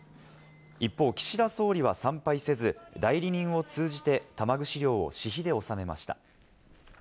一方、岸田総理は参拝せず、代理人を通じて玉串料を私費で納めました。